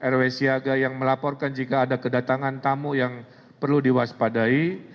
rw siaga yang melaporkan jika ada kedatangan tamu yang perlu diwaspadai